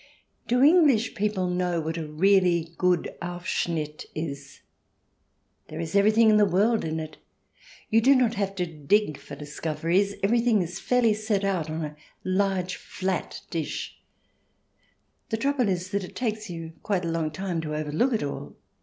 Do English people know what a really good Aufschnitt is? There is everything in the world in it. You do not have to dig for discoveries ; everything is fairly set out on a large flat dish ; the trouble is that it takes you quite a long time to overlook it all.